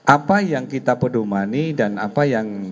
apa yang kita pedomani dan apa yang